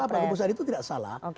gak apa apa keputusan itu tidak salah